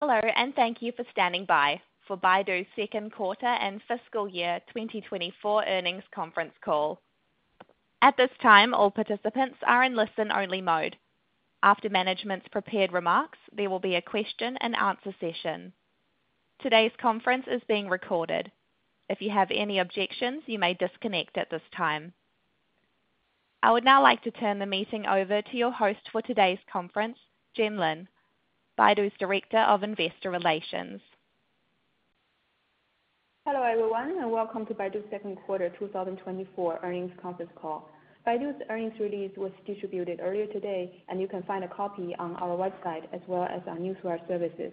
Hello, and thank you for standing by for Baidu's second quarter and fiscal year 2024 earnings conference call. At this time, all participants are in listen-only mode. After management's prepared remarks, there will be a question and answer session. Today's conference is being recorded. If you have any objections, you may disconnect at this time. I would now like to turn the meeting over to your host for today's conference, Juan Lin, Baidu's Director of Investor Relations. Hello, everyone, and welcome to Baidu's second quarter 2024 earnings conference call. Baidu's earnings release was distributed earlier today, and you can find a copy on our website as well as our newsletter services.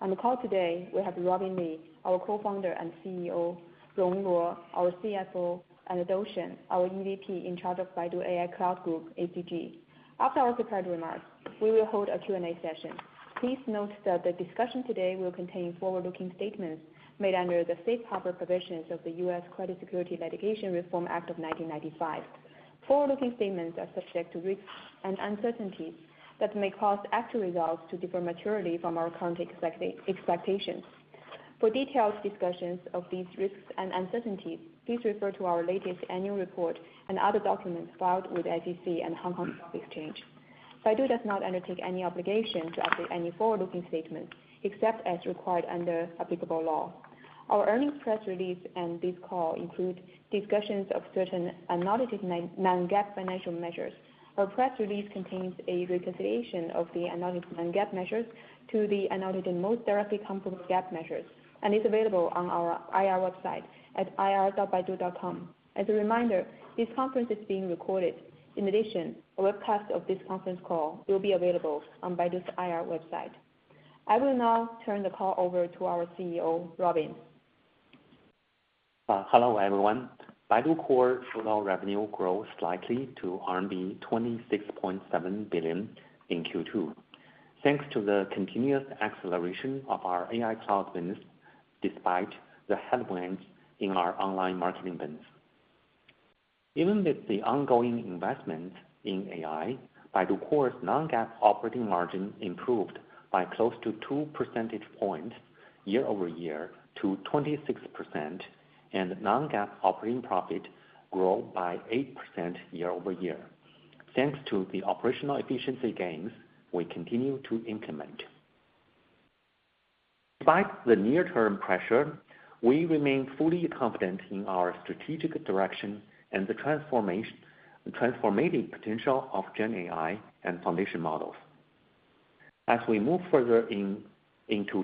On the call today, we have Robin Li, our Co-founder and CEO, Rong Luo, our CFO, and Dou Shen, our EVP in charge of Baidu AI Cloud Group, ACG. After our prepared remarks, we will hold a Q&A session. Please note that the discussion today will contain forward-looking statements made under the safe harbor provisions of the U.S. Securities Litigation Reform Act of 1995. Forward-looking statements are subject to risks and uncertainties that may cause actual results to differ materially from our current expectations. For detailed discussions of these risks and uncertainties, please refer to our latest annual report and other documents filed with the SEC and Hong Kong Stock Exchange. Baidu does not undertake any obligation to update any forward-looking statements, except as required under applicable law. Our earnings press release and this call include discussions of certain non-GAAP financial measures. Our press release contains a reconciliation of the non-GAAP measures to the most directly comparable GAAP measures, and is available on our IR website at ir.baidu.com. As a reminder, this conference is being recorded. In addition, a webcast of this conference call will be available on Baidu's IR website. I will now turn the call over to our CEO, Robin. Hello, everyone. Baidu Core full revenue grew slightly to RMB 26.7 billion in Q2, thanks to the continuous acceleration of our AI Cloud business, despite the headwinds in our online marketing business. Even with the ongoing investment in AI, Baidu Core's non-GAAP operating margin improved by close to two percentage points year over year to 26%, and non-GAAP operating profit grew by 8% year over year. Thanks to the operational efficiency gains, we continue to implement. Despite the near-term pressure, we remain fully confident in our strategic direction and the transforming potential of GenAI and foundation models. As we move further into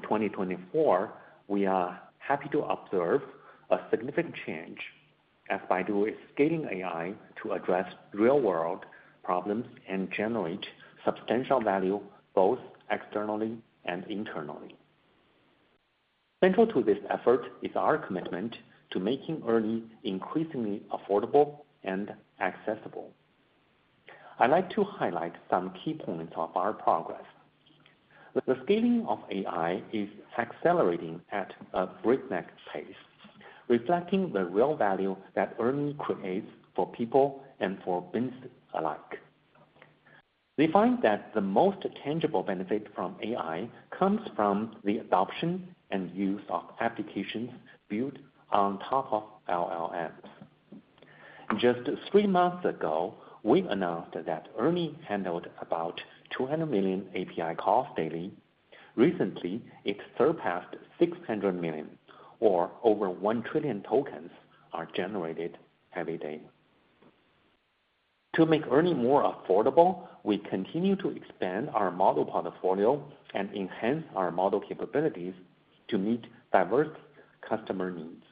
2024, we are happy to observe a significant change as Baidu is scaling AI to address real-world problems and generate substantial value, both externally and internally. Central to this effort is our commitment to making ERNIE increasingly affordable and accessible. I'd like to highlight some key points of our progress. The scaling of AI is accelerating at a breakneck pace, reflecting the real value that ERNIE creates for people and for business alike. We find that the most tangible benefit from AI comes from the adoption and use of applications built on top of LLMs. Just three months ago, we announced that ERNIE handled about 200 million API calls daily. Recently, it surpassed 600 million, or over 1 trillion tokens are generated every day. To make ERNIE more affordable, we continue to expand our model portfolio and enhance our model capabilities to meet diverse customer needs.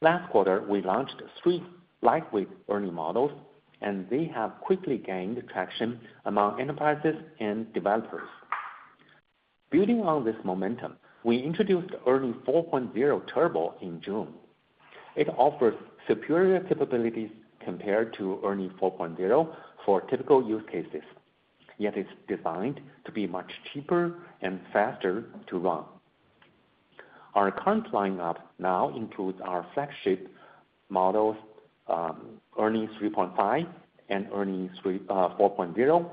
Last quarter, we launched three lightweight ERNIE models, and they have quickly gained traction among enterprises and developers. Building on this momentum, we introduced ERNIE 4.0 Turbo in June. It offers superior capabilities compared to ERNIE 4.0 for typical use cases, yet it's designed to be much cheaper and faster to run. Our current lineup now includes our flagship models, ERNIE 3.5 and ERNIE 4.0,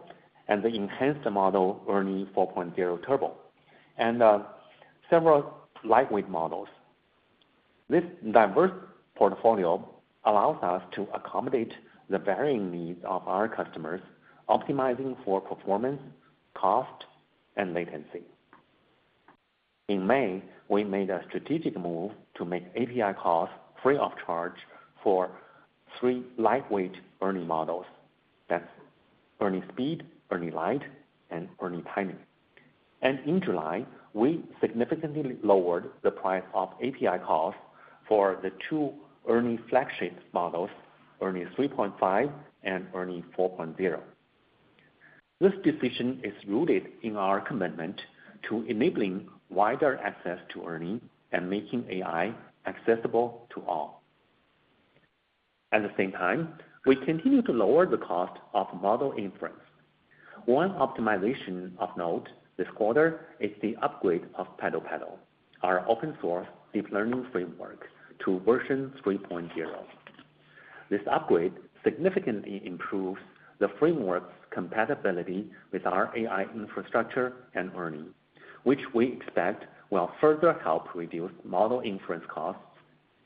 and the enhanced model, ERNIE 4.0 Turbo, and several lightweight models. This diverse portfolio allows us to accommodate the varying needs of our customers, optimizing for performance, cost, and latency. In May, we made a strategic move to make API calls free of charge for three lightweight ERNIE models. That's ERNIE Speed, ERNIE Lite, and ERNIE Tiny, and in July, we significantly lowered the price of API calls for the two ERNIE flagship models, ERNIE 3.5 and ERNIE 4.0. This decision is rooted in our commitment to enabling wider access to ERNIE and making AI accessible to all. At the same time, we continue to lower the cost of model inference. One optimization of note this quarter is the upgrade of PaddlePaddle, our open source deep learning framework, to version three point zero. This upgrade significantly improves the framework's compatibility with our AI infrastructure and learning, which we expect will further help reduce model inference costs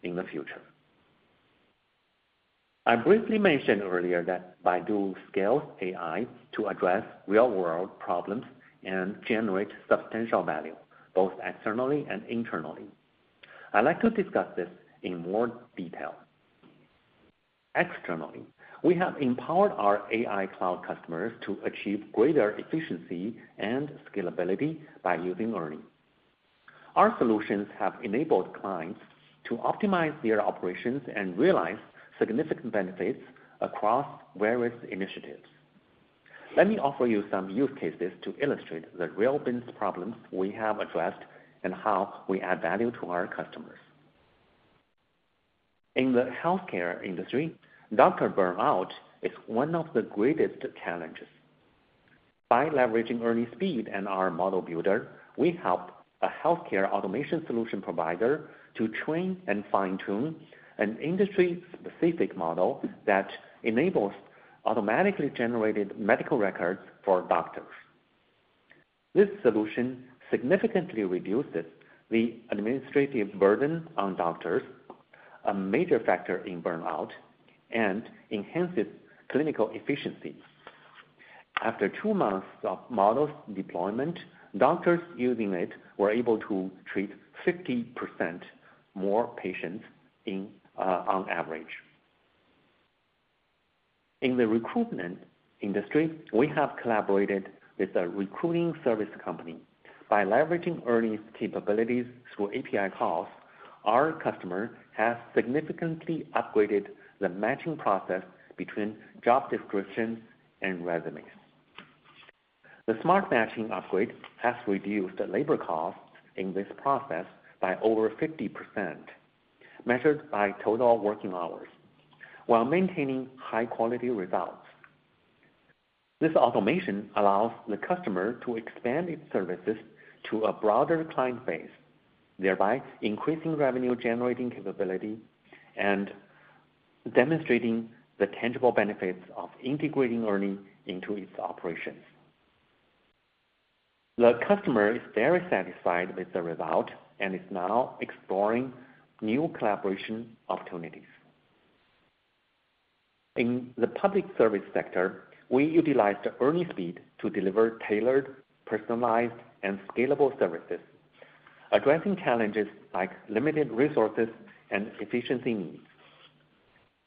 in the future. I briefly mentioned earlier that Baidu scales AI to address real-world problems and generate substantial value, both externally and internally. I'd like to discuss this in more detail. Externally, we have empowered our AI cloud customers to achieve greater efficiency and scalability by using ERNIE. Our solutions have enabled clients to optimize their operations and realize significant benefits across various initiatives. Let me offer you some use cases to illustrate the real business problems we have addressed and how we add value to our customers. In the healthcare industry, doctor burnout is one of the greatest challenges. By leveraging ERNIE Speed and our ModelBuilder, we help a healthcare automation solution provider to train and fine-tune an industry-specific model that enables automatically generated medical records for doctors. This solution significantly reduces the administrative burden on doctors, a major factor in burnout, and enhances clinical efficiency. After two months of model deployment, doctors using it were able to treat 50% more patients in, on average. In the recruitment industry, we have collaborated with a recruiting service company. By leveraging ERNIE's capabilities through API calls, our customer has significantly upgraded the matching process between job descriptions and resumes. The smart matching upgrade has reduced the labor costs in this process by over 50%, measured by total working hours, while maintaining high-quality results. This automation allows the customer to expand its services to a broader client base, thereby increasing revenue-generating capability and demonstrating the tangible benefits of integrating ERNIE into its operations. The customer is very satisfied with the result and is now exploring new collaboration opportunities. In the public service sector, we utilized ERNIE Speed to deliver tailored, personalized, and scalable services, addressing challenges like limited resources and efficiency needs.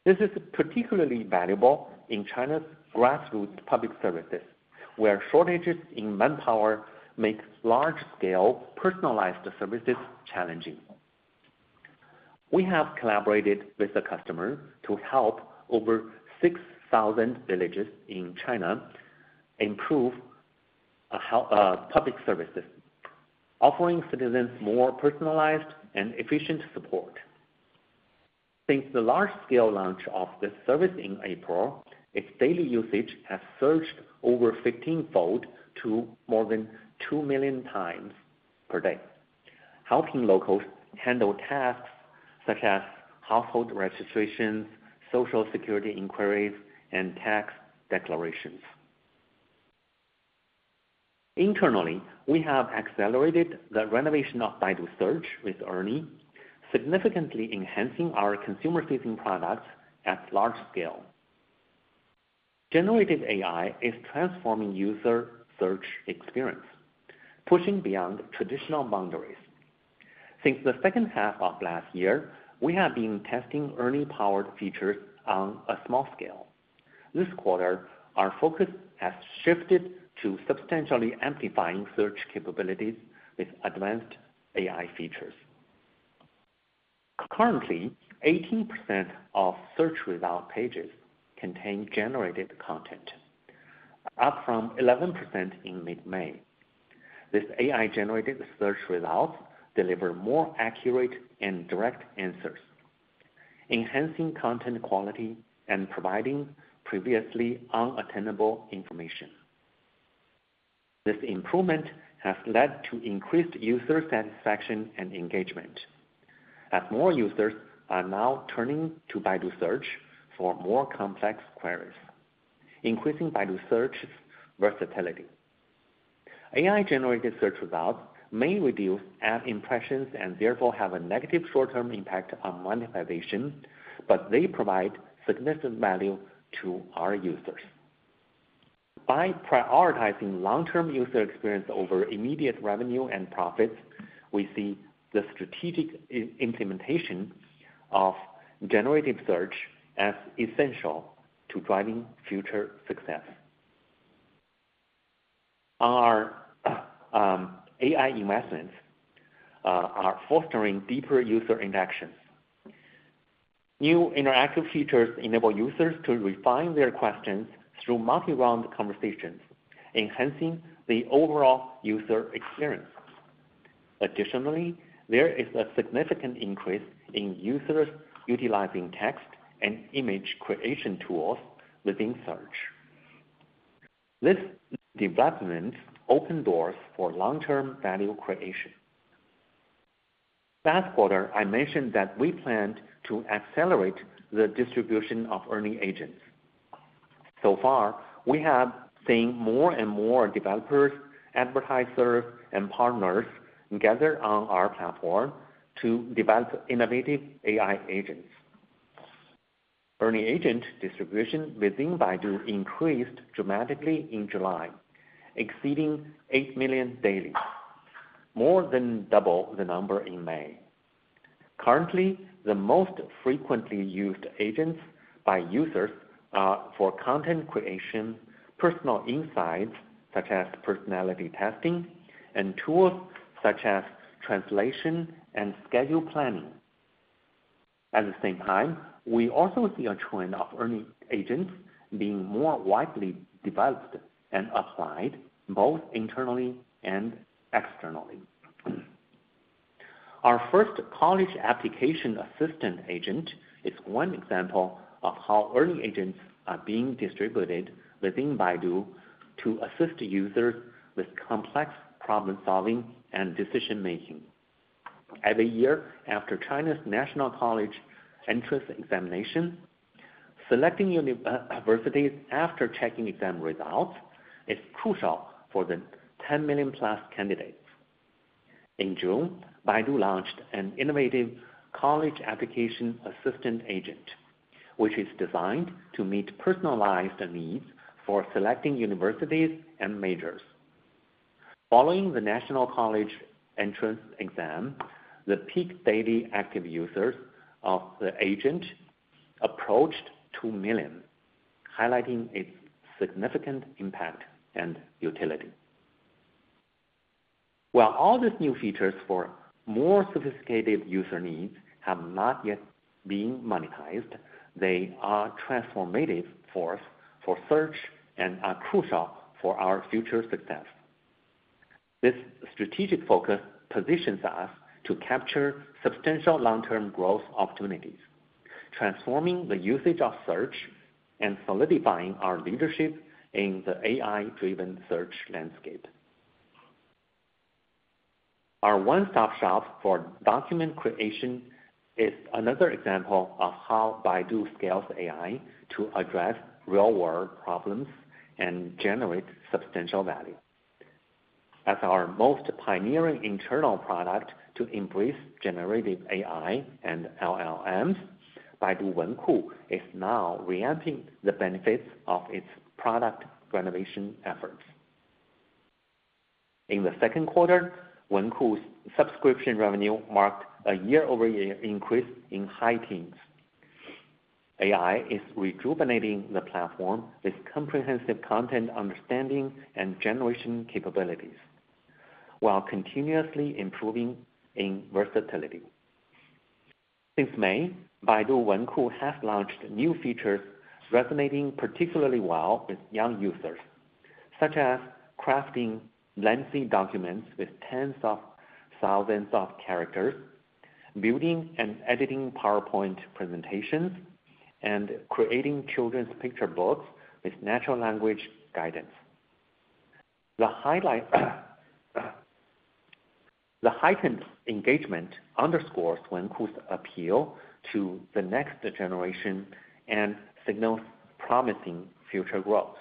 This is particularly valuable in China's grassroots public services, where shortages in manpower make large-scale personalized services challenging. We have collaborated with the customer to help over six thousand villages in China improve public services, offering citizens more personalized and efficient support. Since the large-scale launch of this service in April, its daily usage has surged over fifteen-fold to more than 2 million times per day, helping locals handle tasks such as household registrations, social security inquiries, and tax declarations. Internally, we have accelerated the renovation of Baidu Search with ERNIE, significantly enhancing our consumer-facing products at large scale. Generative AI is transforming user search experience, pushing beyond traditional boundaries. Since the second half of last year, we have been testing ERNIE-powered features on a small scale. This quarter, our focus has shifted to substantially amplifying search capabilities with advanced AI features. Currently, 18% of search result pages contain generated content, up from 11% in mid-May. This AI-generated search results deliver more accurate and direct answers, enhancing content quality, and providing previously unattainable information. This improvement has led to increased user satisfaction and engagement, as more users are now turning to Baidu Search for more complex queries, increasing Baidu Search's versatility. AI-generated search results may reduce ad impressions and therefore have a negative short-term impact on monetization, but they provide significant value to our users. By prioritizing long-term user experience over immediate revenue and profits, we see the strategic implementation of generative search as essential to driving future success. Our AI investments are fostering deeper user interactions. New interactive features enable users to refine their questions through multi-round conversations, enhancing the overall user experience. Additionally, there is a significant increase in users utilizing text and image creation tools within search. This development open doors for long-term value creation. Last quarter, I mentioned that we planned to accelerate the distribution of ERNIE agents. So far, we have seen more and more developers, advertisers, and partners gather on our platform to develop innovative AI agents. ERNIE Agent distribution within Baidu increased dramatically in July, exceeding 8 million daily, more than double the number in May. Currently, the most frequently used agents by users are for content creation, personal insights, such as personality testing, and tools such as translation and schedule planning. At the same time, we also see a trend of ERNIE Agents being more widely developed and applied both internally and externally. Our first college application assistant agent is one example of how ERNIE Agents are being distributed within Baidu to assist users with complex problem-solving and decision-making. Every year, after China's National College Entrance Examination, selecting universities after checking exam results is crucial for the 10 million-plus candidates. In June, Baidu launched an innovative college application assistant agent, which is designed to meet personalized needs for selecting universities and majors. Following the National College Entrance Exam, the peak daily active users of the agent approached 2 million, highlighting its significant impact and utility. While all these new features for more sophisticated user needs have not yet been monetized, they are a transformative force for search and are crucial for our future success. This strategic focus positions us to capture substantial long-term growth opportunities, transforming the usage of search and solidifying our leadership in the AI-driven search landscape. Our one-stop shop for document creation is another example of how Baidu scales AI to address real-world problems and generate substantial value. As our most pioneering internal product to embrace generative AI and LLMs, Baidu Wenku is now reaping the benefits of its product renovation efforts. In the second quarter, Wenku's subscription revenue marked a year-over-year increase in high teens. AI is rejuvenating the platform with comprehensive content understanding and generation capabilities, while continuously improving in versatility. Since May, Baidu Wenku has launched new features resonating particularly well with young users, such as crafting lengthy documents with tens of thousands of characters, building and editing PowerPoint presentations, and creating children's picture books with natural language guidance. The heightened engagement underscores Wenku's appeal to the next generation and signals promising future growth.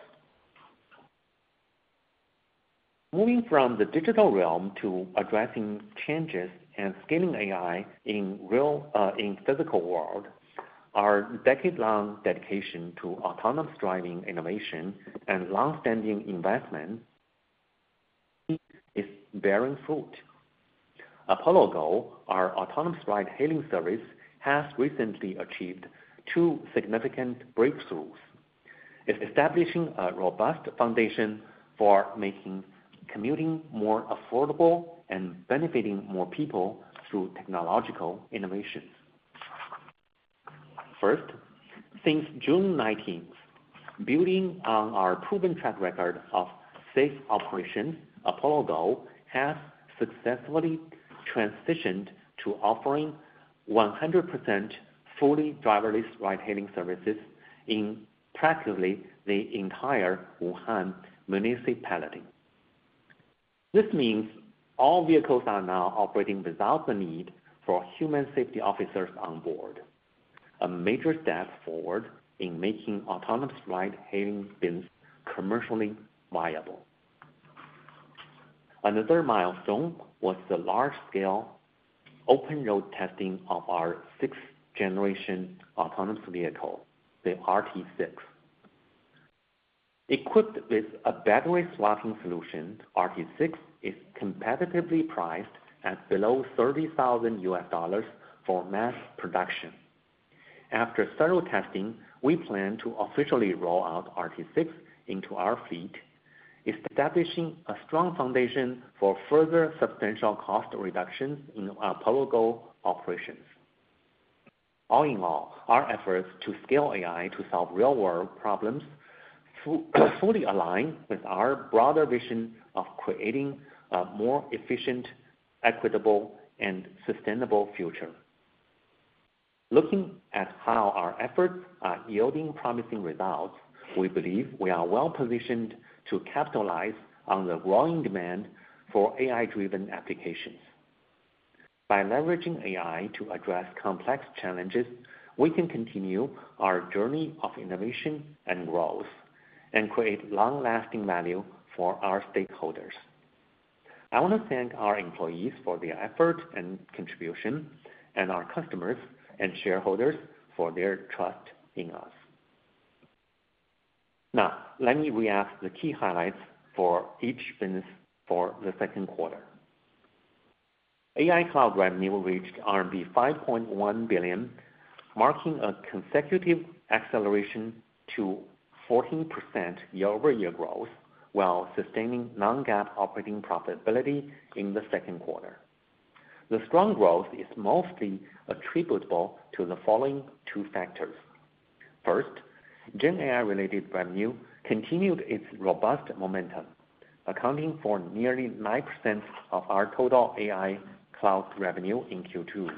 Moving from the digital realm to addressing changes and scaling AI in real, in physical world, our decade-long dedication to autonomous driving innovation and long-standing investment is bearing fruit. Apollo Go, our autonomous ride-hailing service, has recently achieved two significant breakthroughs. It's establishing a robust foundation for making commuting more affordable and benefiting more people through technological innovations. First, since June 19th, building on our proven track record of safe operations, Apollo Go has successfully transitioned to offering 100% fully driverless ride-hailing services in practically the entire Wuhan municipality. This means all vehicles are now operating without the need for human safety officers on board, a major step forward in making autonomous ride-hailing business commercially viable. Another milestone was the large-scale open road testin 6th-generation autonomous vehicle, the RT6. Equipped with a battery swapping solution, RT6 is competitively priced at below $30,000 for mass production. After thorough testing, we plan to officially roll out RT6 into our fleet, establishing a strong foundation for further substantial cost reductions in Apollo Go operations. All in all, our efforts to scale AI to solve real-world problems fully align with our broader vision of creating a more efficient, equitable, and sustainable future... Looking at how our efforts are yielding promising results, we believe we are well-positioned to capitalize on the growing demand for AI-driven applications. By leveraging AI to address complex challenges, we can continue our journey of innovation and growth and create long-lasting value for our stakeholders. I want to thank our employees for their effort and contribution, and our customers and shareholders for their trust in us. Now, let me recap the key highlights for each business for the second quarter. AI Cloud revenue reached RMB 5.1 billion, marking a consecutive acceleration to 14% year-over-year growth, while sustaining non-GAAP operating profitability in the second quarter. The strong growth is mostly attributable to the following two factors: First, GenAI-related revenue continued its robust momentum, accounting for nearly 9% of our total AI Cloud revenue in Q2,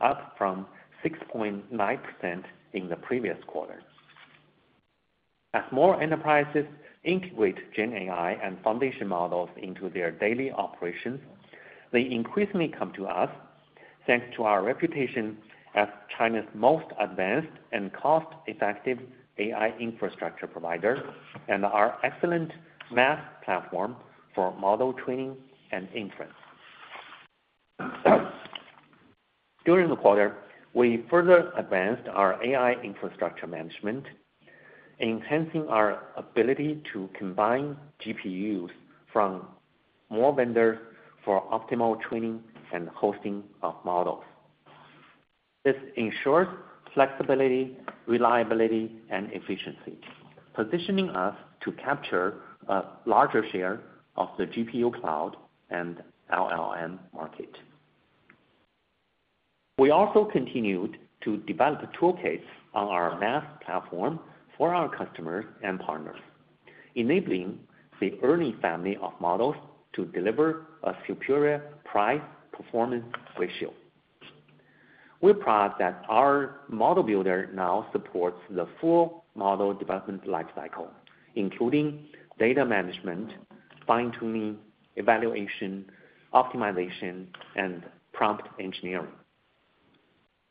up from 6.9% in the previous quarter. As more enterprises integrate GenAI and foundation models into their daily operations, they increasingly come to us, thanks to our reputation as China's most advanced and cost-effective AI infrastructure provider, and our excellentMaaS platform for model training and inference. During the quarter, we further advanced our AI infrastructure management, enhancing our ability to combine GPUs from more vendors for optimal training and hosting of models. This ensures flexibility, reliability, and efficiency, positioning us to capture a larger share of the GPU cloud and LLM market. We also continued to develop toolkits on ourMaaS platform for our customers and partners, enabling the ERNIE family of models to deliver a superior price-performance ratio. We're proud that our ModelBuilder now supports the full model development life cycle, including data management, fine-tuning, evaluation, optimization, and prompt engineering.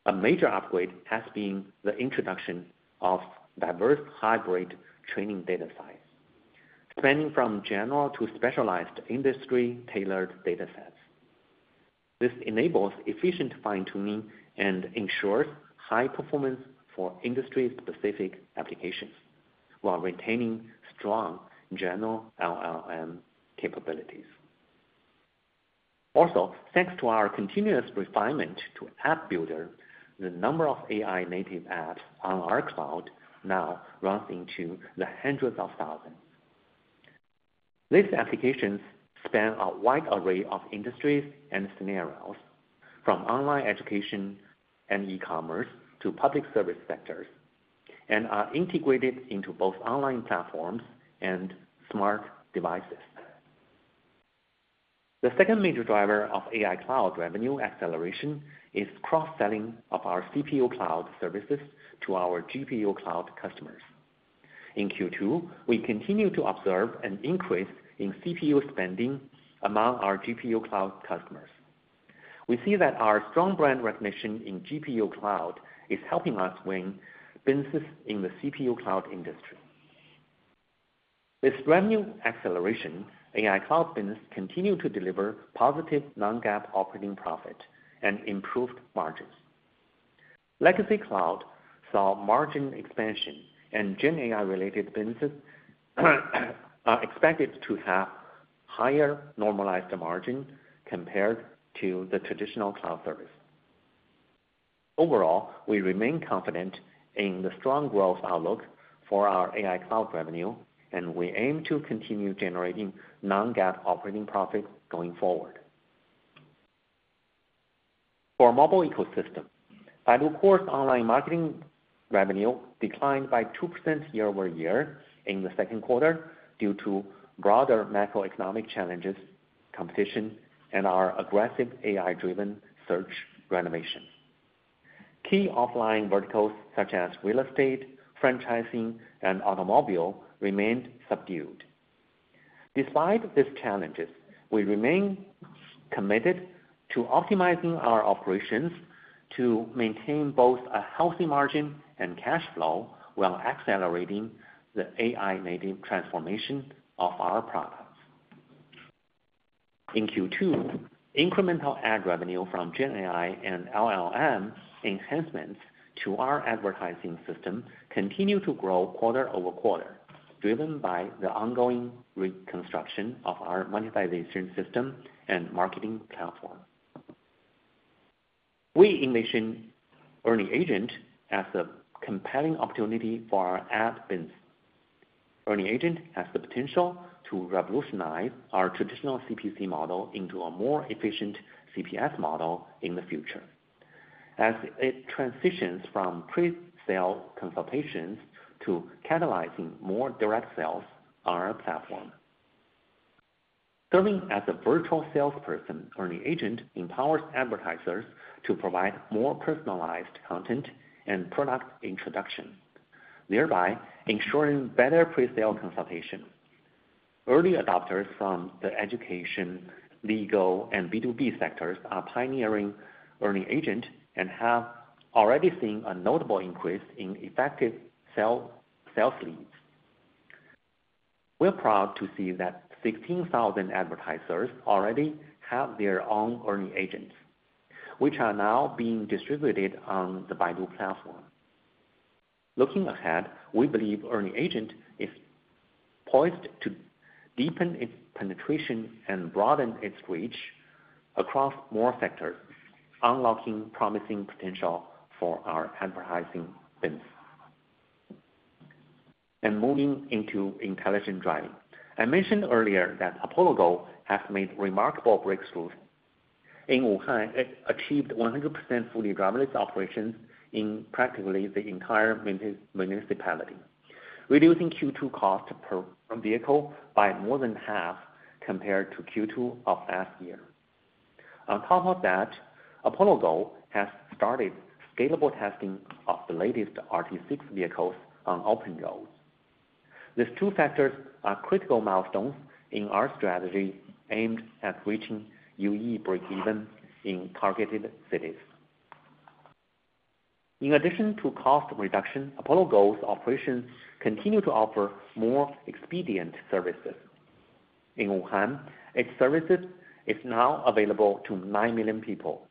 A major upgrade has been the introduction of diverse hybrid training datasets, spanning from general to specialized industry-tailored datasets. This enables efficient fine-tuning and ensures high performance for industry-specific applications, while retaining strong general LLM capabilities. Also, thanks to our continuous refinement to AppBuilder, the number of AI-native apps on our cloud now runs into the hundreds of thousands. These applications span a wide array of industries and scenarios, from online education and e-commerce to public service sectors, and are integrated into both online platforms and smart devices. The second major driver of AI cloud revenue acceleration is cross-selling of our CPU cloud services to our GPU cloud customers. In Q2, we continue to observe an increase in CPU spending among our GPU cloud customers. We see that our strong brand recognition in GPU cloud is helping us win businesses in the CPU cloud industry. This revenue acceleration, AI Cloud business continue to deliver positive non-GAAP operating profit and improved margins. Legacy Cloud saw margin expansion and GenAI-related businesses are expected to have higher normalized margin compared to the traditional cloud service. Overall, we remain confident in the strong growth outlook for our AI Cloud revenue, and we aim to continue generating non-GAAP operating profit going forward. For our mobile ecosystem, Baidu Core online marketing revenue declined by 2% year over year in the second quarter due to broader macroeconomic challenges, competition, and our aggressive AI-driven search renovation. Key offline verticals such as real estate, franchising, and automobile remained subdued. Despite these challenges, we remain committed to optimizing our operations to maintain both a healthy margin and cash flow while accelerating the AI-native transformation of our products. In Q2, incremental ad revenue from GenAI and LLM enhancements to our advertising system continued to grow quarter over quarter, driven by the ongoing reconstruction of our monetization system and marketing platform. We envision ERNIE Agent as a compelling opportunity for our ad business. ERNIE Agent has the potential to revolutionize our traditional CPC model into a more efficient CPS model in the future, as it transitions from pre-sale consultations to catalyzing more direct sales on our platform, serving as a virtual salesperson. ERNIE Agent empowers advertisers to provide more personalized content and product introduction, thereby ensuring better presale consultation. Early adopters from the education, legal, and B2B sectors are pioneering ERNIE Agent and have already seen a notable increase in effective sales leads. We're proud to see that 16,000 advertisers already have their own ERNIE Agents, which are now being distributed on the Baidu platform. Looking ahead, we believe ERNIE Agent is poised to deepen its penetration and broaden its reach across more sectors, unlocking promising potential for our advertising business, and moving into Intelligent Driving. I mentioned earlier that Apollo Go has made remarkable breakthroughs. In Wuhan, it achieved 100% fully driverless operations in practically the entire municipality, reducing Q2 cost per vehicle by more than half compared to Q2 of last year. On top of that, Apollo Go has started scalable testing of the latest RT6 vehicles on open roads. These two factors are critical milestones in our strategy aimed at reaching UE breakeven in targeted cities. In addition to cost reduction, Apollo Go's operations continue to offer more expedient services. In Wuhan, its services is now available to 9 million people.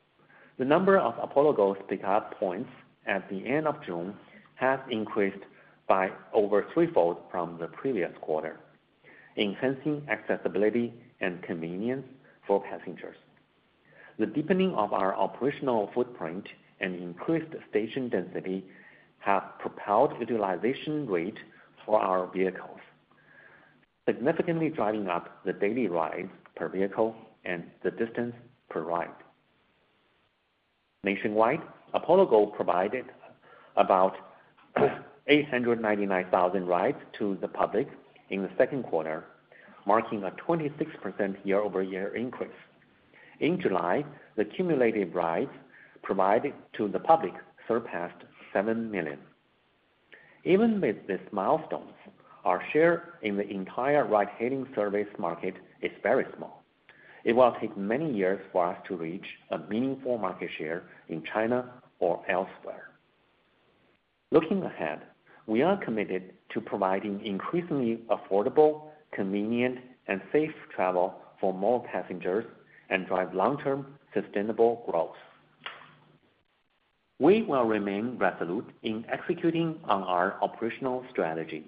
The number of Apollo Go's pickup points at the end of June has increased by over threefold from the previous quarter, enhancing accessibility and convenience for passengers. The deepening of our operational footprint and increased station density have propelled utilization rate for our vehicles, significantly driving up the daily rides per vehicle and the distance per ride. Nationwide, Apollo Go provided about 890,000 rides to the public in the second quarter, marking a 26% year-over-year increase. In July, the cumulative rides provided to the public surpassed 7 million. Even with these milestones, our share in the entire ride-hailing service market is very small. It will take many years for us to reach a meaningful market share in China or elsewhere. Looking ahead, we are committed to providing increasingly affordable, convenient, and safe travel for more passengers and drive long-term sustainable growth. We will remain resolute in executing on our operational strategy,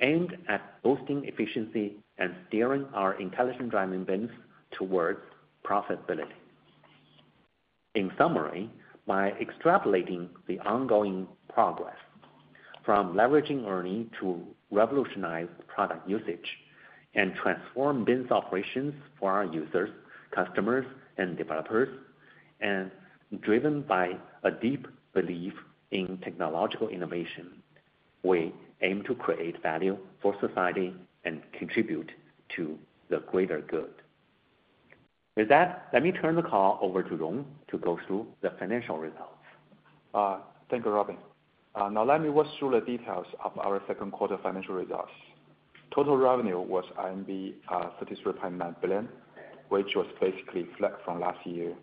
aimed at boosting efficiency and steering our Intelligent Driving business towards profitability. In summary, by extrapolating the ongoing progress from leveraging ERNIE to revolutionize product usage and transform business operations for our users, customers, and developers, and driven by a deep belief in technological innovation, we aim to create value for society and contribute to the greater good. With that, let me turn the call over to Rong to go through the financial results. Thank you, Robin. Now let me walk through the details of our second quarter financial results. Total revenue was RMB 33.9 billion, which was basically flat from last year.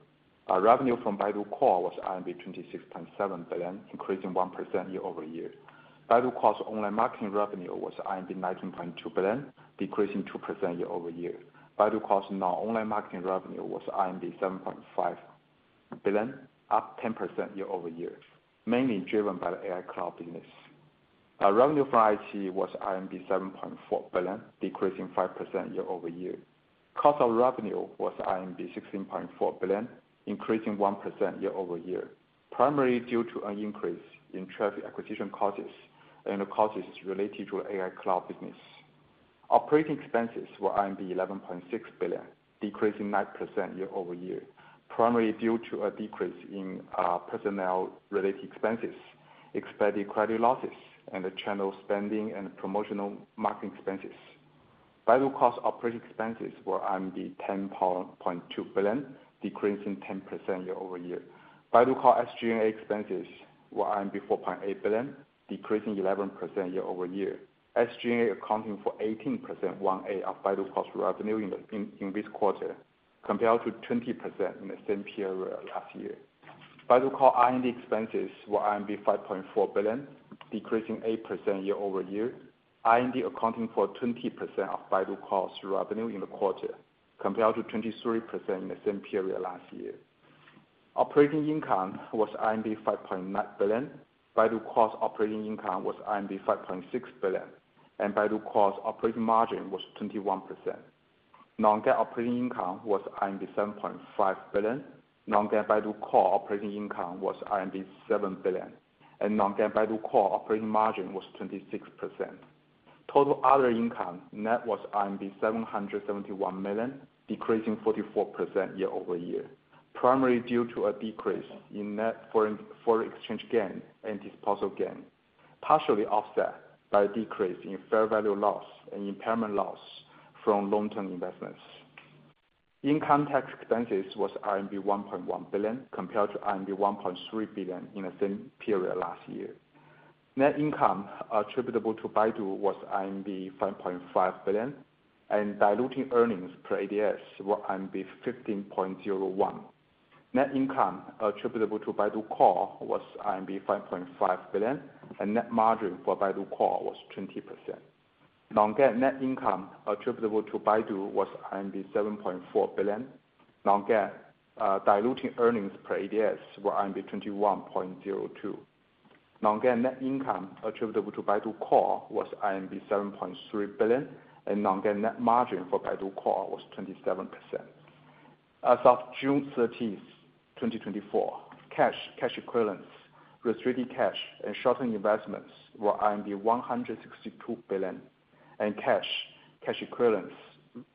Our revenue from Baidu Core was 26.7 billion, increasing 1% year over year. Baidu Core's online marketing revenue was 19.2 billion, decreasing 2% year over year. Baidu Core's non-online marketing revenue was 7.5 billion, up 10% year over year, mainly driven by the AI cloud business. Our revenue from IE was RMB 7.4 billion, decreasing 5% year over year. Cost of revenue was RMB 16.4 billion, increasing 1% year over year, primarily due to an increase in traffic acquisition costs and the costs related to AI cloud business. Operating expenses were 11.6 billion, decreasing 9% year over year, primarily due to a decrease in personnel-related expenses, expanded credit losses, and the channel spending and promotional marketing expenses. Baidu Core's operating expenses were 10.2 billion, decreasing 10% year over year. Baidu Core SG&A expenses were 4.8 billion, decreasing 11% year over year. SG&A accounting for 18% of Baidu Core's revenue in this quarter, compared to 20% in the same period last year. Baidu Core R&D expenses were 5.4 billion, decreasing 8% year over year. R&D accounting for 20% of Baidu Core's revenue in the quarter, compared to 23% in the same period last year. Operating income was 5.9 billion. Baidu Core's operating income was 5.6 billion, and Baidu Core's operating margin was 21%. Non-GAAP operating income was 7.5 billion. Non-GAAP Baidu Core operating income was 7 billion, and non-GAAP Baidu Core operating margin was 26%. Total other income net was RMB 771 million, decreasing 44% year over year, primarily due to a decrease in net foreign exchange gain and disposal gain, partially offset by a decrease in fair value loss and impairment loss from long-term investments. Income tax expenses was RMB 1.1 billion, compared to RMB 1.3 billion in the same period last year. Net income attributable to Baidu was 5.5 billion, and diluted earnings per ADS were 15.01. Net income attributable to Baidu Core was 5.5 billion, and net margin for Baidu Core was 20%. Non-GAAP net income attributable to Baidu was 7.4 billion. Non-GAAP, diluted earnings per ADS were 21.02. Non-GAAP net income attributable to Baidu Core was 7.3 billion, and non-GAAP net margin for Baidu Core was 27%. As of June 30th, 2024, cash, cash equivalents, restricted cash, and short-term investments were 162 billion, and cash, cash equivalents,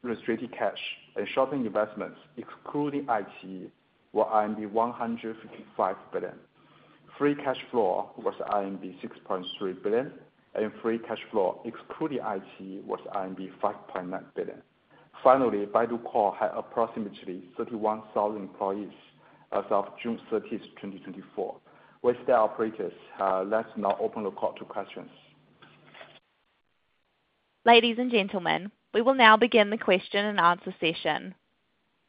restricted cash, and short-term investments, excluding ICE, were 155 billion. Free cash flow was 6.3 billion, and free cash flow excluding ICE was 5.9 billion. Finally, Baidu Core had approximately 31,000 employees as of June 30th, 2024. With that, operators, let's now open the call to questions. Ladies and gentlemen, we will now begin the question and answer session.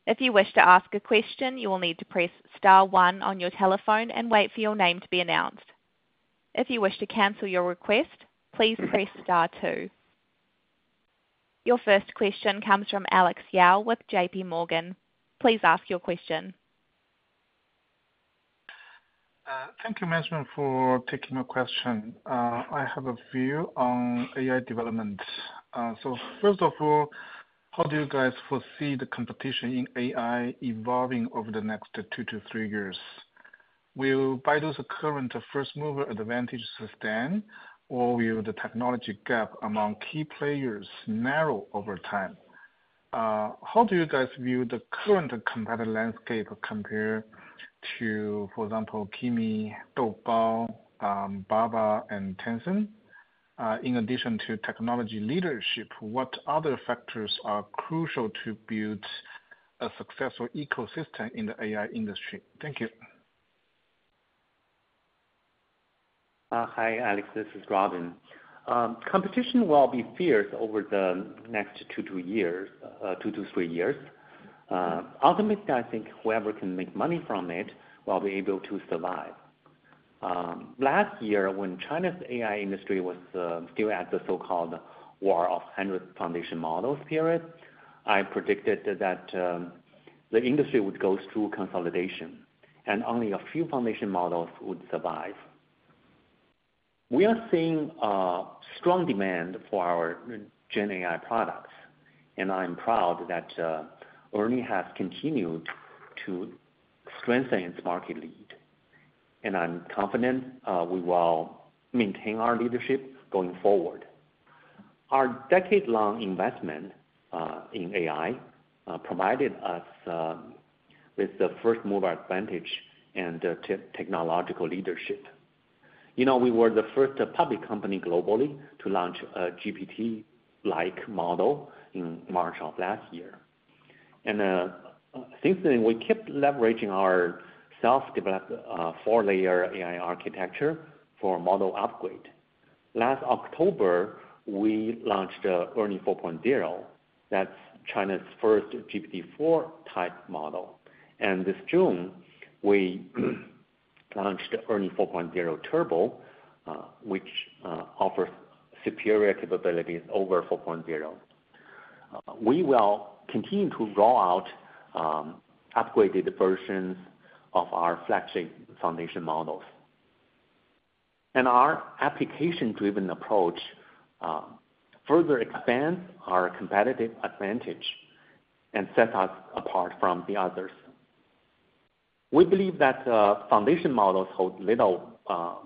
If you wish to ask a question, you will need to press star one on your telephone and wait for your name to be announced. If you wish to cancel your request, please press star two. Your first question comes from Alex Yao with JPMorgan. Please ask your question. Thank you, management, for taking my question. I have a view on AI development. So first of all, how do you guys foresee the competition in AI evolving over the next two to three years? Will Baidu's current first mover advantage sustain, or will the technology gap among key players narrow over time? How do you guys view the current competitive landscape compared to, for example, Kimi, Doubao, Baba and Tencent? In addition to technology leadership, what other factors are crucial to build a successful ecosystem in the AI industry? Thank you. Hi, Alex, this is Robin. Competition will be fierce over the next two to three years. Ultimately, I think whoever can make money from it will be able to survive. Last year, when China's AI industry was still at the so-called war of hundred foundation models period, I predicted that the industry would go through consolidation and only a few foundation models would survive. We are seeing strong demand for our Gen AI products, and I'm proud that ERNIE has continued to strengthen its market lead, and I'm confident we will maintain our leadership going forward. Our decade-long investment in AI provided us with the first mover advantage and technological leadership. You know, we were the first public company globally to launch a GPT-like model in March of last year. And since then, we kept leveraging our self-developed four-layer AI architecture for model upgrade. Last October, we launched ERNIE 4.0. That's China's first GPT-4 type model. And this June, we launched ERNIE 4.0 Turbo, which offers superior capabilities over 4.0. We will continue to roll out upgraded versions of our flagship foundation models. And our application-driven approach further expands our competitive advantage and sets us apart from the others. We believe that foundation models hold little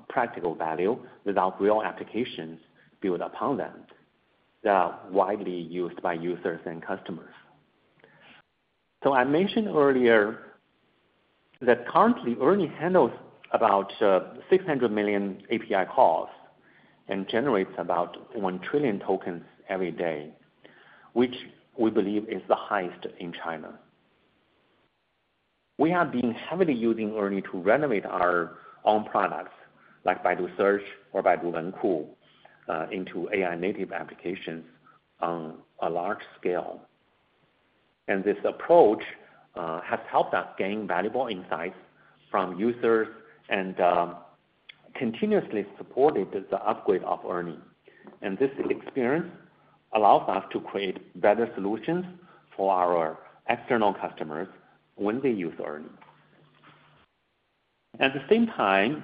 practical value without real applications built upon them that are widely used by users and customers. So I mentioned earlier that currently, ERNIE handles about 600 million API calls and generates about 1 trillion tokens every day, which we believe is the highest in China. We have been heavily using ERNIE to renovate our own products, like Baidu Search or Baidu Wenku, into AI-native applications on a large scale. And this approach has helped us gain valuable insights from users and continuously supported the upgrade of ERNIE. And this experience allows us to create better solutions for our external customers when they use ERNIE. At the same time,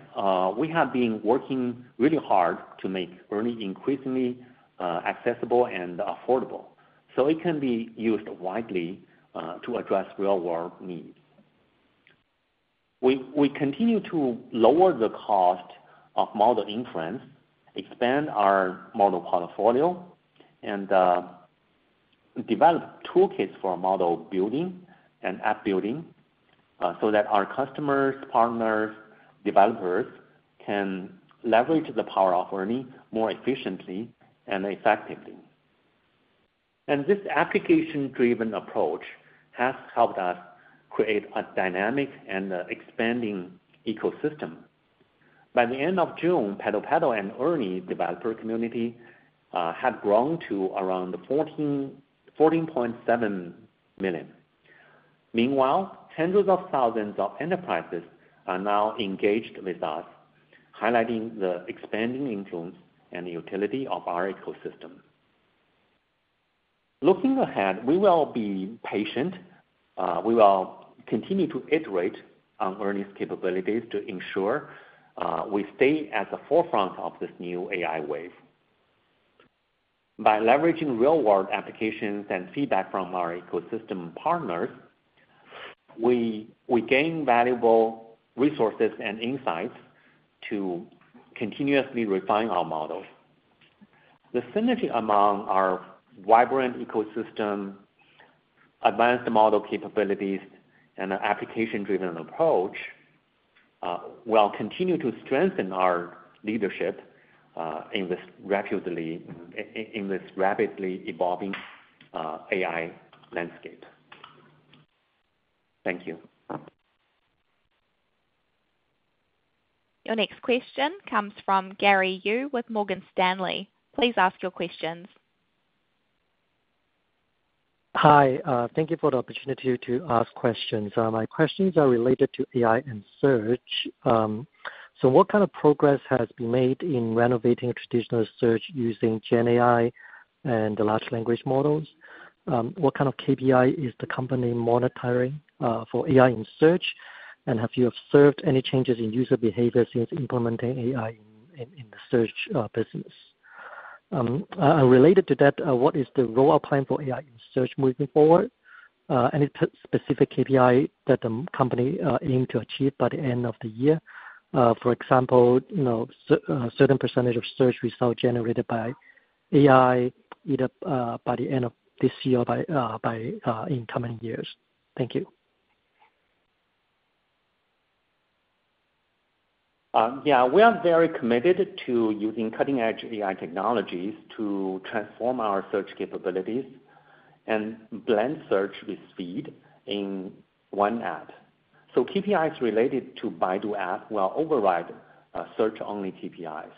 we have been working really hard to make ERNIE increasingly accessible and affordable, so it can be used widely to address real-world needs. We continue to lower the cost of model inference, expand our model portfolio, and develop toolkits for model building and app building, so that our customers, partners, developers, can leverage the power of ERNIE more efficiently and effectively. And this application-driven approach has helped us create a dynamic and expanding ecosystem. By the end of June, PaddlePaddle and ERNIE developer community had grown to around 14.7 million. Meanwhile, hundreds of thousands of enterprises are now engaged with us, highlighting the expanding influence and utility of our ecosystem. Looking ahead, we will be patient. We will continue to iterate on ERNIE's capabilities to ensure we stay at the forefront of this new AI wave. By leveraging real-world applications and feedback from our ecosystem partners, we gain valuable resources and insights to continuously refine our models. The synergy among our vibrant ecosystem, advanced model capabilities, and application-driven approach will continue to strengthen our leadership in this rapidly evolving AI landscape. Thank you. Your next question comes from Gary Yu with Morgan Stanley. Please ask your questions. Hi, thank you for the opportunity to ask questions. My questions are related to AI and search. So what kind of progress has been made in renovating traditional search using GenAI and the large language models? What kind of KPI is the company monitoring for AI in search? And have you observed any changes in user behavior since implementing AI in the search business? Related to that, what is the rollout plan for AI in search moving forward? Any specific KPI that the company aim to achieve by the end of the year? For example, you know, certain percentage of search results generated by AI, either by the end of this year, or by in coming years. Thank you. Yeah, we are very committed to using cutting-edge AI technologies to transform our search capabilities and blend search with speed in one app. So KPIs related to Baidu App will override search-only KPIs.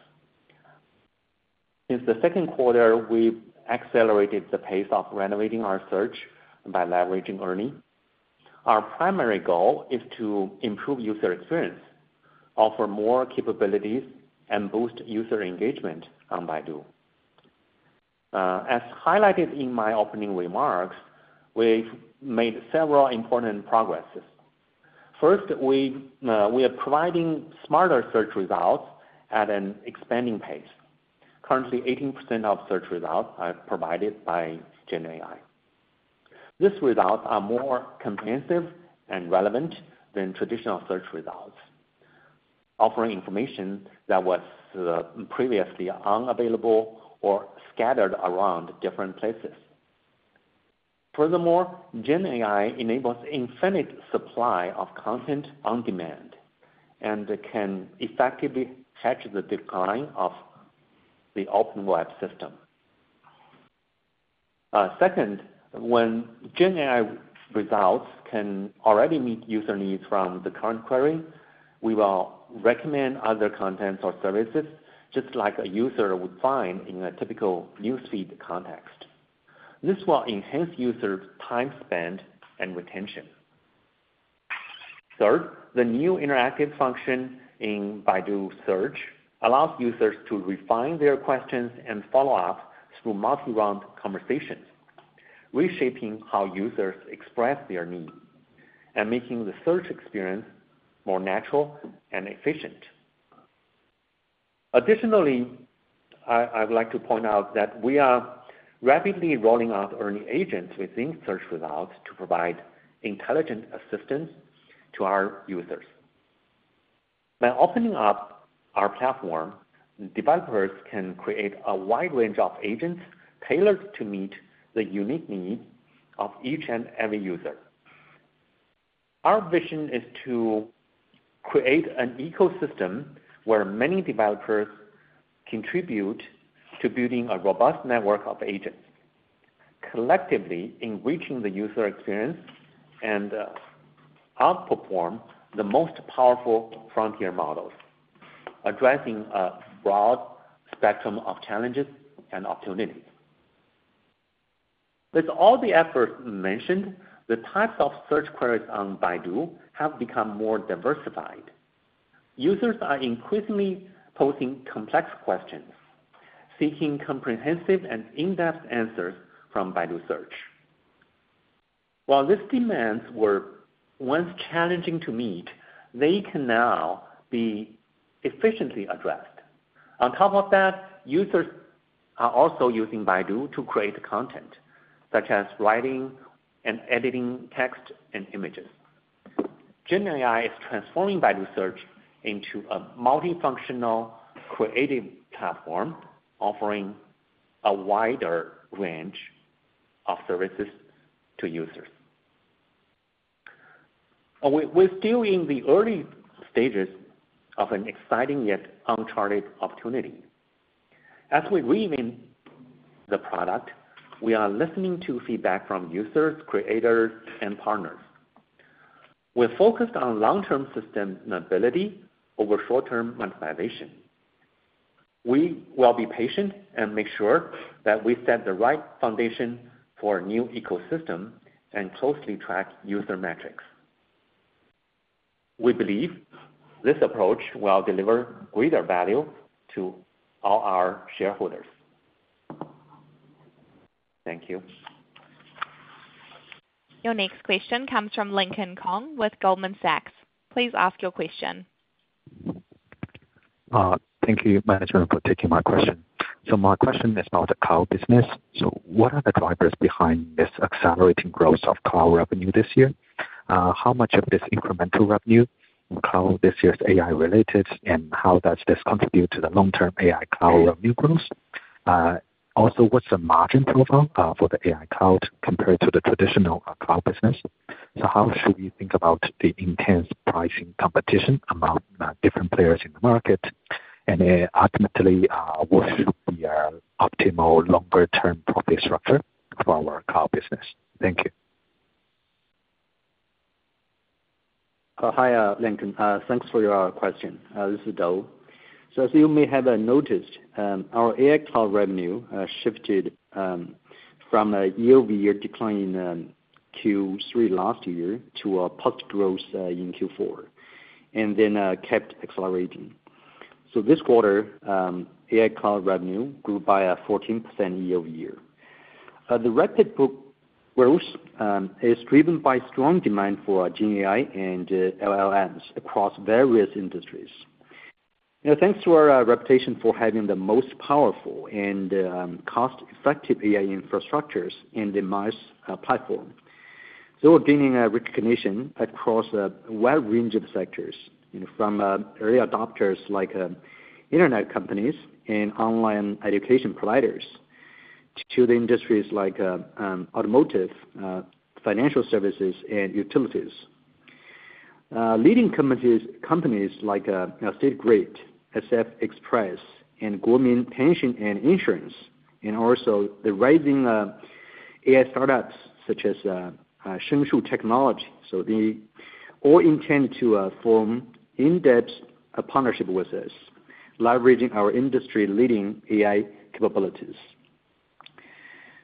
Since the second quarter, we've accelerated the pace of renovating our search by leveraging ERNIE. Our primary goal is to improve user experience, offer more capabilities, and boost user engagement on Baidu. As highlighted in my opening remarks, we've made several important progresses. First, we are providing smarter search results at an expanding pace. Currently, 18% of search results are provided by GenAI. These results are more comprehensive and relevant than traditional search results, offering information that was previously unavailable or scattered around different places. Furthermore, GenAI enables infinite supply of content on demand and can effectively catch the decline of the open web system. Second, when GenAI results can already meet user needs from the current query, we will recommend other contents or services, just like a user would find in a typical news feed context. This will enhance user time spent and retention. Third, the new interactive function in Baidu Search allows users to refine their questions and follow up through multi-round conversations, reshaping how users express their needs, and making the search experience more natural and efficient. Additionally, I would like to point out that we are rapidly rolling out ERNIE agents within search results to provide intelligent assistance to our users. By opening up our platform, developers can create a wide range of agents tailored to meet the unique needs of each and every user. Our vision is to create an ecosystem where many developers contribute to building a robust network of agents, collectively enriching the user experience and outperform the most powerful frontier models, addressing a broad spectrum of challenges and opportunities. With all the efforts mentioned, the types of search queries on Baidu have become more diversified. Users are increasingly posing complex questions, seeking comprehensive and in-depth answers from Baidu Search. While these demands were once challenging to meet, they can now be efficiently addressed. On top of that, users are also using Baidu to create content, such as writing and editing text and images. Gen AI is transforming Baidu Search into a multifunctional creative platform, offering a wider range of services to users. We're still in the early stages of an exciting yet uncharted opportunity. As we reinvent the product, we are listening to feedback from users, creators, and partners. We're focused on long-term sustainability over short-term monetization. We will be patient and make sure that we set the right foundation for a new ecosystem and closely track user metrics. We believe this approach will deliver greater value to all our shareholders. Thank you. Your next question comes from Lincoln Kong with Goldman Sachs. Please ask your question. Thank you, management, for taking my question. So my question is about the cloud business. So what are the drivers behind this accelerating growth of cloud revenue this year? How much of this incremental revenue in cloud this year is AI related, and how does this contribute to the long-term AI cloud revenue growth? Also, what's the margin profile for the AI cloud compared to the traditional cloud business? So how should we think about the intense pricing competition among different players in the market? And, ultimately, what should be optimal longer-term profit structure for our cloud business? Thank you. Hi, Lincoln. Thanks for your question. This is Dou, so as you may have noticed, our AI cloud revenue shifted from a year-over-year decline in Q3 last year to a positive growth in Q4, and then kept accelerating, so this quarter, AI cloud revenue grew by 14% year over year. The rapid growth is driven by strong demand for Gen AI and LLMs across various industries. You know, thanks to our reputation for having the most powerful and cost-effective AI infrastructures in the ERNIE's platform, so we're gaining recognition across a wide range of sectors, you know, from early adopters like internet companies and online education providers, to the industries like automotive, financial services, and utilities. Leading companies, companies like, you know, State Grid, SF Express, and Guomin Pension and Insurance, and also the rising AI startups such as ShengShu Technology. So they all intend to form in-depth partnership with us, leveraging our industry-leading AI capabilities.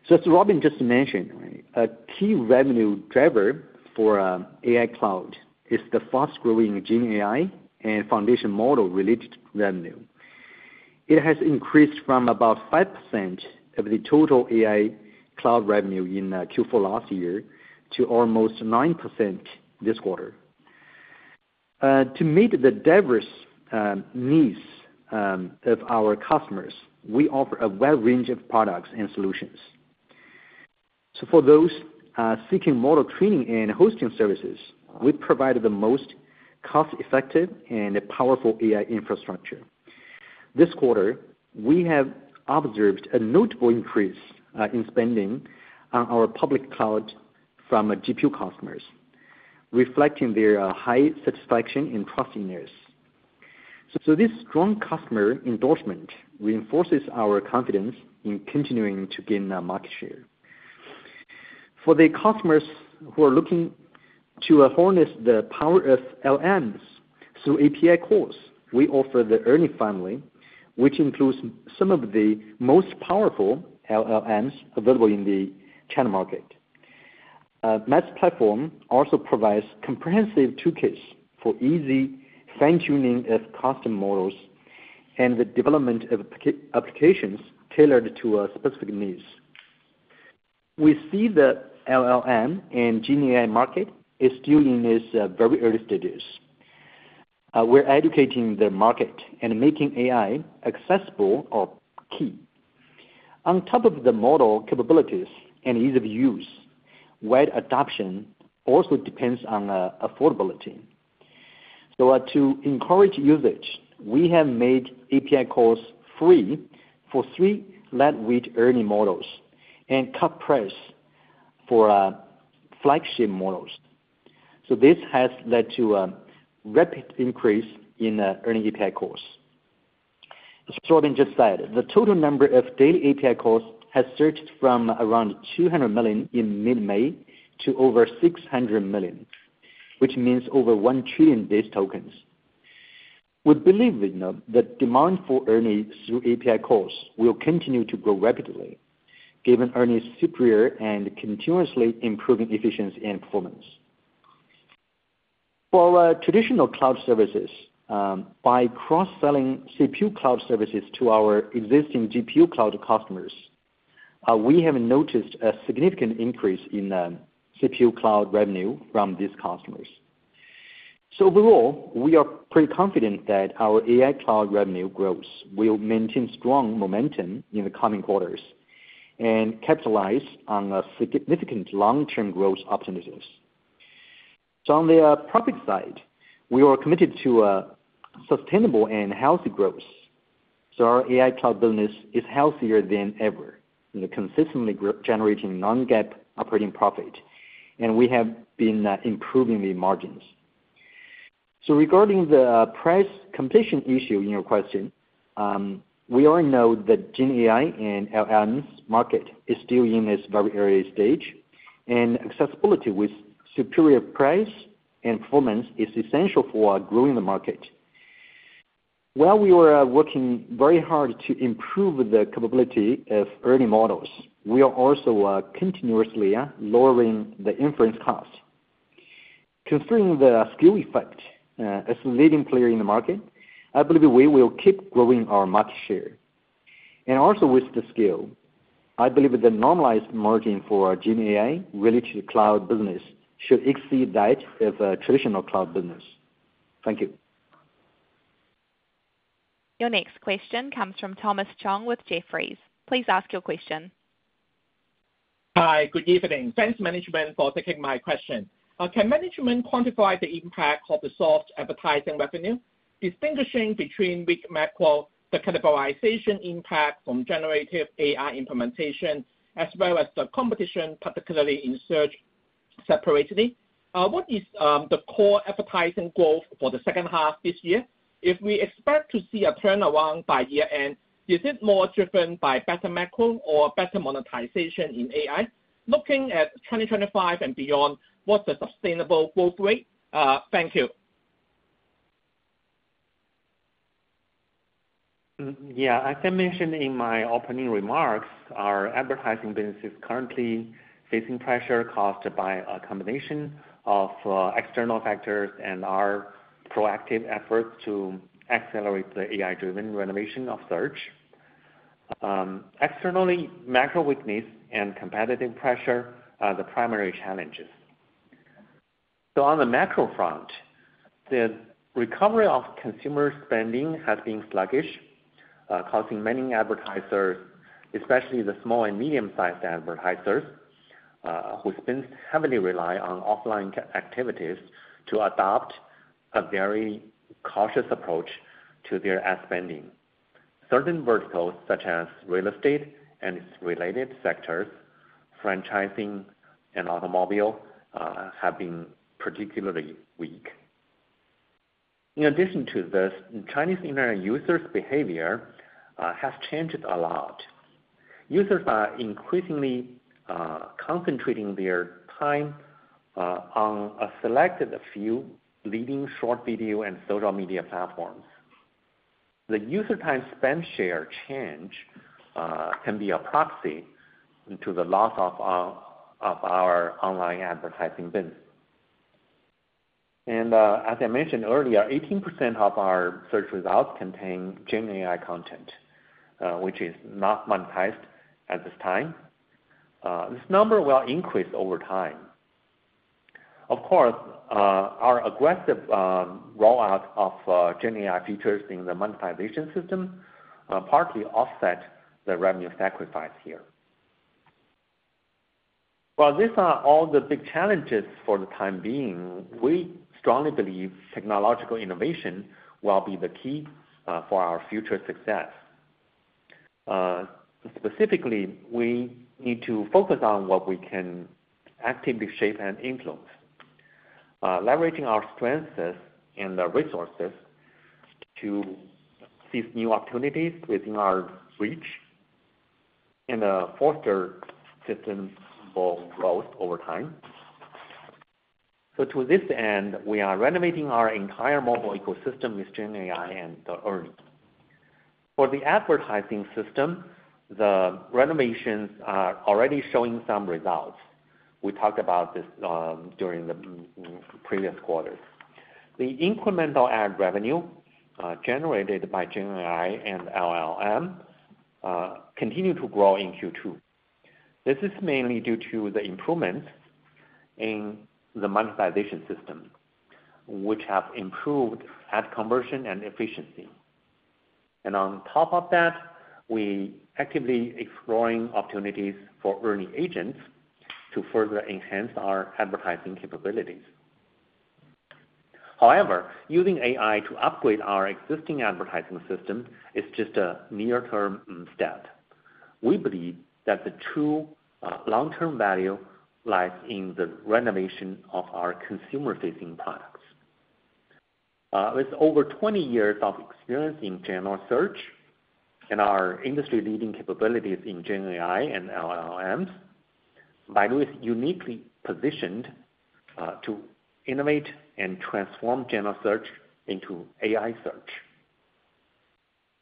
So as Robin just mentioned, a key revenue driver for AI cloud is the fast-growing Gen AI and foundation model-related revenue. It has increased from about 5% of the total AI cloud revenue in Q4 last year to almost 9% this quarter. To meet the diverse needs of our customers, we offer a wide range of products and solutions. So for those seeking model training and hosting services, we provide the most cost-effective and powerful AI infrastructure. This quarter, we have observed a notable increase in spending on our public cloud from our GPU customers, reflecting their high satisfaction and trust in us. So this strong customer endorsement reinforces our confidence in continuing to gain market share. For the customers who are looking to harness the power of LLMs through API calls, we offer the ERNIE family, which includes some of the most powerful LLMs available in the China market. ModelBuilder platform also provides comprehensive toolkits for easy fine-tuning of custom models and the development of applications tailored to specific needs. We see the LLM and GenAI market is still in its very early stages. We're educating the market and making AI accessible are key. On top of the model capabilities and ease of use, wide adoption also depends on affordability. To encourage usage, we have made API calls free for three lightweight ERNIE models and cut price for flagship models. So this has led to a rapid increase in ERNIE API calls. As Robin just said, the total number of daily API calls has surged from around 200 million in mid-May to over 600 million, which means over 1 trillion base tokens. We believe, you know, the demand for ERNIE through API calls will continue to grow rapidly, given ERNIE's superior and continuously improving efficiency and performance. For our traditional cloud services, by cross-selling CPU cloud services to our existing GPU cloud customers, we have noticed a significant increase in CPU cloud revenue from these customers. So overall, we are pretty confident that our AI cloud revenue growth will maintain strong momentum in the coming quarters and capitalize on significant long-term growth opportunities. On the profit side, we are committed to a sustainable and healthy growth. Our AI cloud business is healthier than ever, and consistently generating non-GAAP operating profit, and we have been improving the margins. Regarding the price competition issue in your question, we all know that Gen AI and LLMs market is still in its very early stage, and accessibility with superior price and performance is essential for growing the market. While we are working very hard to improve the capability of early models, we are also continuously lowering the inference cost. Considering the scale effect, as a leading player in the market, I believe we will keep growing our market share. And also with the scale, I believe the normalized margin for Gen AI related to cloud business should exceed that of traditional cloud business. Thank you. Your next question comes from Thomas Chong with Jefferies. Please ask your question. Hi, good evening. Thanks, management, for taking my question. Can management quantify the impact of the soft advertising revenue, distinguishing between weak macro, the categorization impact from generative AI implementation, as well as the competition, particularly in search, separately? What is the core advertising growth for the second half this year? If we expect to see a turnaround by year-end, is it more driven by better macro or better monetization in AI? Looking at 2025 and beyond, what's the sustainable growth rate? Thank you. Yeah, as I mentioned in my opening remarks, our advertising business is currently facing pressure caused by a combination of external factors and our proactive efforts to accelerate the AI-driven renovation of search. Externally, macro weakness and competitive pressure are the primary challenges, so on the macro front, the recovery of consumer spending has been sluggish, causing many advertisers, especially the small and medium-sized advertisers, who heavily rely on offline activities to adopt a very cautious approach to their ad spending. Certain verticals, such as real estate and its related sectors, franchising and automobile, have been particularly weak. In addition to this, Chinese internet users' behavior has changed a lot. Users are increasingly concentrating their time on a selected few leading short video and social media platforms. The user time spent share change can be a proxy to the loss of our online advertising business, and as I mentioned earlier, 18% of our search results contain Gen AI content, which is not monetized at this time. This number will increase over time. Of course, our aggressive rollout of Gen AI features in the monetization system partly offset the revenue sacrifice here. While these are all the big challenges for the time being, we strongly believe technological innovation will be the key for our future success. Specifically, we need to focus on what we can actively shape and influence, leveraging our strengths and our resources to seize new opportunities within our reach and foster systems for growth over time. So to this end, we are renovating our entire mobile ecosystem with Gen AI and the ERNIE. For the advertising system, the renovations are already showing some results. We talked about this during the previous quarters. The incremental ad revenue generated by Gen AI and LLM continued to grow in Q2. This is mainly due to the improvements in the monetization system, which have improved ad conversion and efficiency, and on top of that, we actively exploring opportunities for ERNIE agents to further enhance our advertising capabilities. However, using AI to upgrade our existing advertising system is just a near-term step. We believe that the true long-term value lies in the renovation of our consumer-facing products. With over 20 years of experience in general search and our industry-leading capabilities in Gen AI and LLMs, Baidu is uniquely positioned to innovate and transform general search into AI search.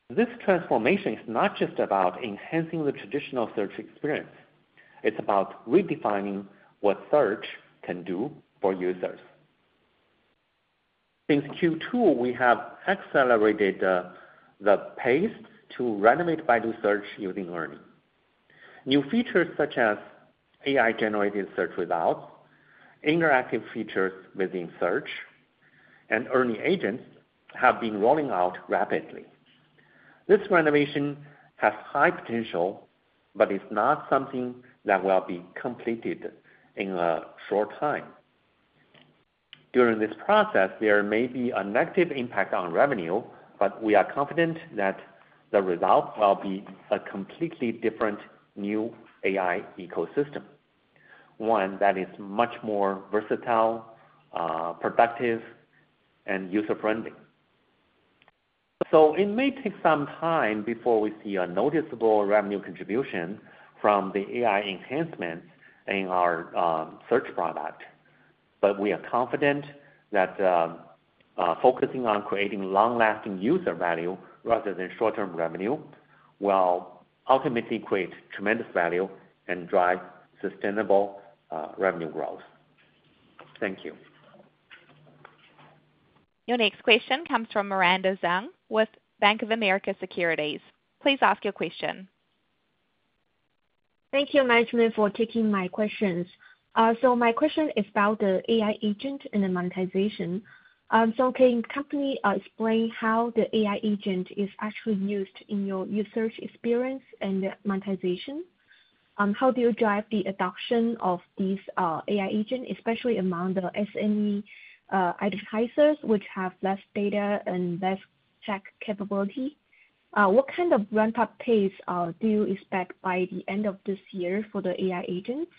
This transformation is not just about enhancing the traditional search experience, it's about redefining what search can do for users. In Q2, we have accelerated the pace to renovate Baidu search using ERNIE. New features such as AI-generated search results, interactive features within search, and ERNIE Agents have been rolling out rapidly. This renovation has high potential, but it's not something that will be completed in a short time. During this process, there may be a negative impact on revenue, but we are confident that the result will be a completely different new AI ecosystem, one that is much more versatile, productive, and user-friendly. So it may take some time before we see a noticeable revenue contribution from the AI enhancements in our search product, but we are confident that focusing on creating long-lasting user value rather than short-term revenue will ultimately create tremendous value and drive sustainable revenue growth. Thank you. Your next question comes from Miranda Zhuang with Bank of America Securities. Please ask your question. Thank you, management, for taking my questions. So my question is about the AI agent and the monetization. So can the company explain how the AI agent is actually used in your search experience and the monetization? How do you drive the adoption of these AI agent, especially among the SME advertisers, which have less data and less tech capability? What kind of ramp-up pace do you expect by the end of this year for the AI agents?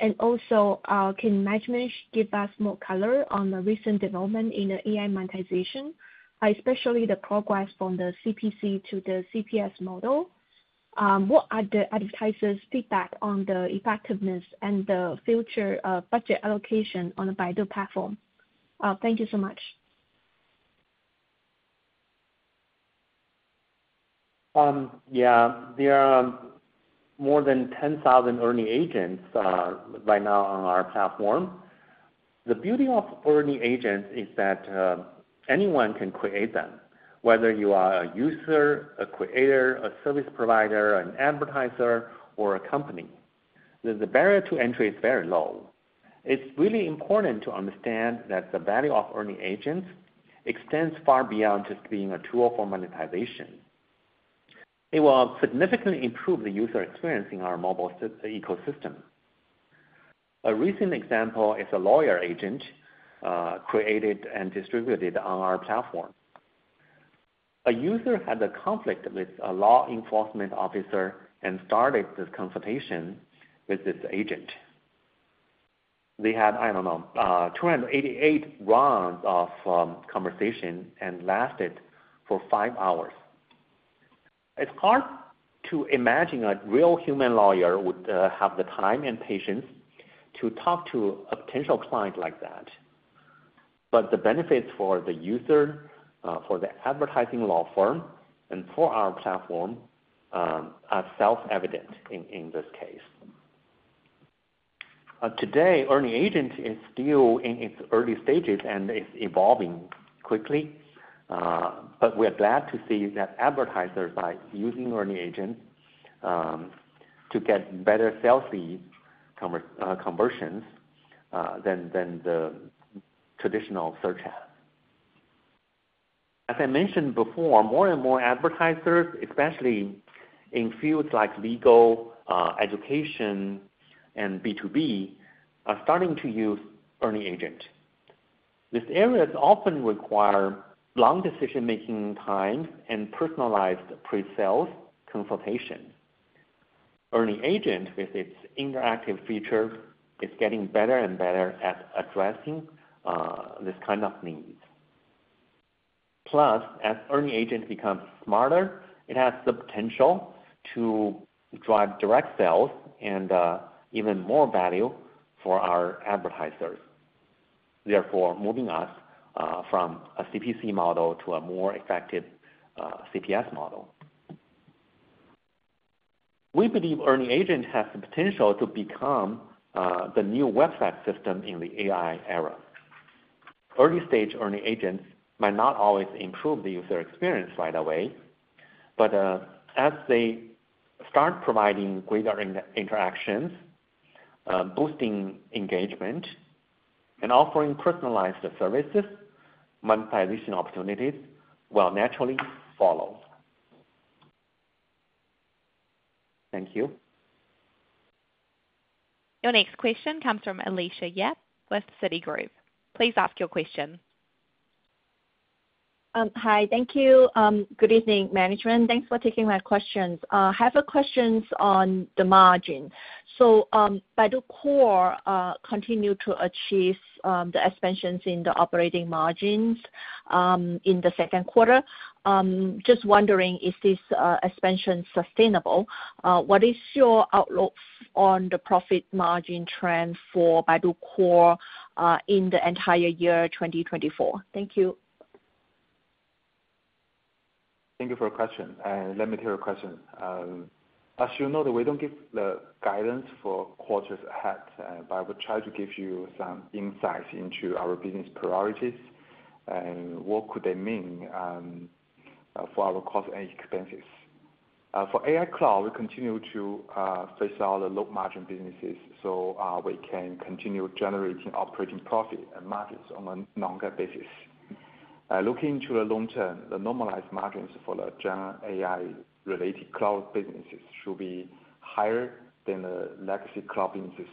And also, can management give us more color on the recent development in the AI monetization, especially the progress from the CPC to the CPS model? What are the advertisers' feedback on the effectiveness and the future budget allocation on the Baidu platform? Thank you so much. Yeah, there are more than 10,000 ERNIE Agents right now on our platform. The beauty of ERNIE Agents is that anyone can create them, whether you are a user, a creator, a service provider, an advertiser, or a company. The barrier to entry is very low. It's really important to understand that the value of ERNIE Agents extends far beyond just being a tool for monetization. It will significantly improve the user experience in our mobile ecosystem. A recent example is a lawyer agent created and distributed on our platform. A user had a conflict with a law enforcement officer and started this consultation with this agent. They had, I don't know, 288 rounds of conversation, and lasted for five hours. It's hard to imagine a real human lawyer would have the time and patience to talk to a potential client like that. But the benefits for the user for the advertising law firm, and for our platform are self-evident in this case. Today, ERNIE Agent is still in its early stages, and it's evolving quickly. But we're glad to see that advertisers, by using ERNIE Agent to get better conversions than the traditional search ad. As I mentioned before, more and more advertisers, especially in fields like legal education, and B2B, are starting to use ERNIE Agent. These areas often require long decision-making time and personalized pre-sales consultation. ERNIE Agent, with its interactive feature, is getting better and better at addressing this kind of needs. Plus, as ERNIE Agent becomes smarter, it has the potential to drive direct sales and, even more value for our advertisers, therefore, moving us, from a CPC model to a more effective, CPS model. We believe ERNIE Agent has the potential to become, the new website system in the AI era. Early-stage ERNIE Agents might not always improve the user experience right away, but, as they start providing greater interactions, boosting engagement and offering personalized services, monetization opportunities will naturally follow. Thank you. Your next question comes from Alicia Yap with Citigroup. Please ask your question. Hi. Thank you. Good evening, management. Thanks for taking my questions. I have a questions on the margin. So, Baidu Core continued to achieve the expansions in the operating margins in the second quarter. Just wondering, is this expansion sustainable? What is your outlook on the profit margin trend for Baidu Core in the entire year twenty twenty-four? Thank you. Thank you for your question, and let me take your question. As you know, that we don't give the guidance for quarters ahead, but I will try to give you some insight into our business priorities and what could they mean for our cost and expenses? For AI cloud, we continue to face all the low margin businesses, so we can continue generating operating profit and margins on a longer basis. Looking to the long term, the normalized margins for the GenAI-related cloud businesses should be higher than the legacy cloud businesses.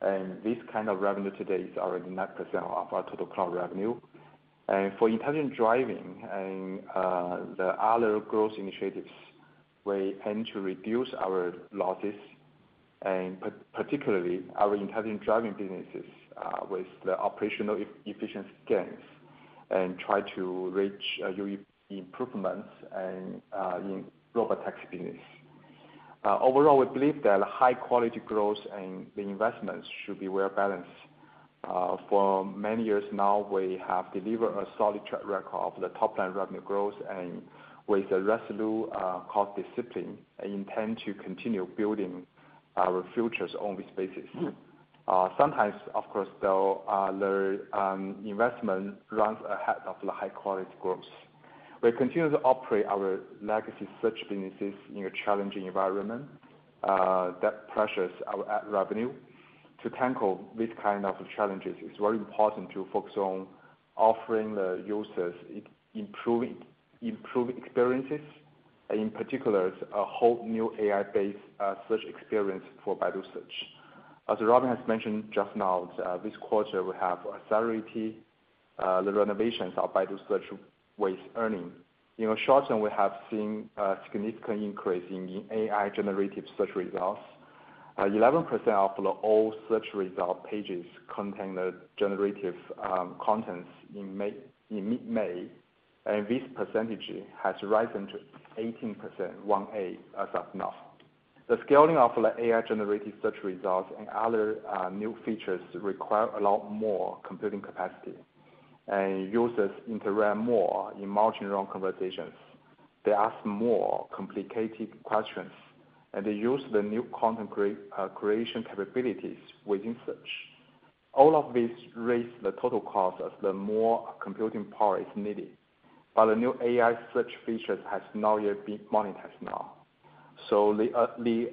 And this kind of revenue today is already 9% of our total cloud revenue. And for Intelligent Driving and the other growth initiatives, we aim to reduce our losses and particularly our Intelligent Driving businesses with the operational efficiency gains, and try to reach unit economics improvements in Robotaxi business. Overall, we believe that high quality growth and the investments should be well balanced. For many years now, we have delivered a solid track record of the top line revenue growth and with a resolute, cost discipline, I intend to continue building our futures on this basis. Sometimes, of course, though, the investment runs ahead of the high-quality growth. We continue to operate our legacy search businesses in a challenging environment that pressures our ad revenue. To tackle these kind of challenges, it's very important to focus on offering the users improving, improved experiences, and in particular, a whole new AI-based search experience for Baidu Search. As Robin has mentioned just now, this quarter, we have accelerated the renovations of Baidu Search with ERNIE. In the short term, we have seen a significant increase in AI-generated search results. 11% of all search result pages contain generative contents in May, in mid-May, and this percentage has risen to 18%, as of now. The scaling of the AI-generated search results and other new features require a lot more computing capacity, and users interact more in multi-turn conversations. They ask more complicated questions, and they use the new content creation capabilities within search. All of this raise the total cost as the more computing power is needed, but the new AI search features has not yet been monetized now. The